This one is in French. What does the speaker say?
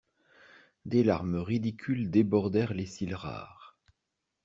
Des larmes ridicules débordèrent les cils rares.